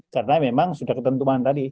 karena memang sudah ketentuan tadi